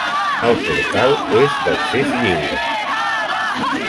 El portal és d’accés lliure.